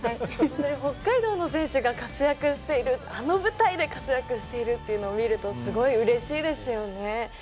本当ね北海道の選手が活躍しているあの舞台で活躍しているっていうのを見るとすごいうれしいですよね。